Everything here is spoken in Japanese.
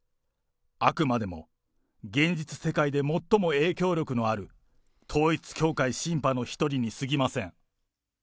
あくまでも現実世界で最も影響力のある統一教会シンパの一人にすぎません。